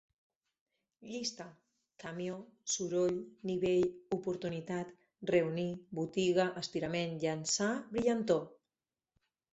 Llista: camió, soroll, nivell, oportunitat, reunir, botiga, estirament, llançar, brillantor